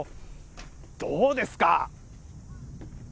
どうですか？